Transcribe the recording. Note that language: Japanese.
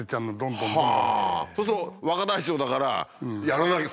そうすると若大将だからやらなきゃ！